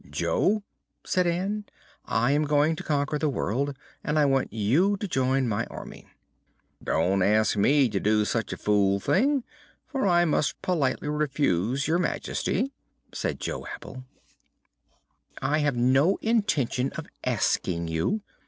"Jo," said Ann, "I am going to conquer the world, and I want you to join my Army." "Don't ask me to do such a fool thing, for I must politely refuse Your Majesty," said Jo Apple. "I have no intention of asking you.